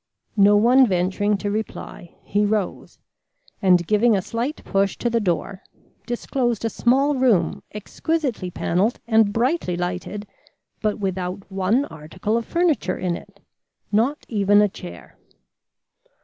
No one venturing to reply, he rose, and giving a slight push to the door, disclosed a small room exquisitely panelled and brightly lighted, but without one article of furniture in it, not even a chair.